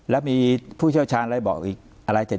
และมีผู้เชี่ยวชาญนะฮะบอกอีกอะไร๗๘๗๙